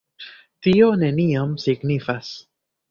Tio nenion signifas.